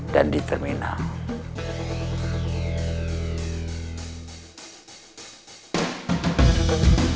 dan di terminal